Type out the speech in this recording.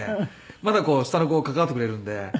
まだ下の子は関わってくれるので。